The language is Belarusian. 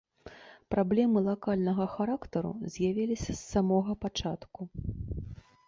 Праблемы лакальнага характару з'явіліся з самога пачатку.